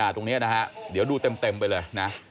ตรงนี้นะฮะเดี๋ยวดูเต็มไปเลยนะ